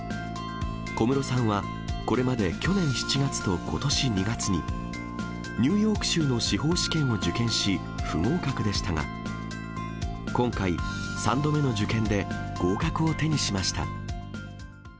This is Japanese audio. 小室さんはこれまで、去年７月とことし２月に、ニューヨーク州の司法試験を受験し、不合格でしたが、今回、３度目の受験で合格を手にしました。